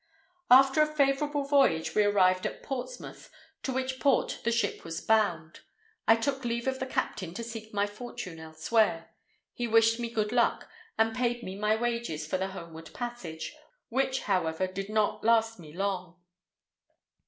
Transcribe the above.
"After a favourable voyage we arrived at Portsmouth, to which port the ship was bound. I took leave of the captain to seek my fortune elsewhere. He wished me good luck, and paid me my wages for the homeward passage, which, however, did not last me long.